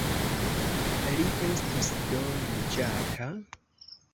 Li estos do juĝata?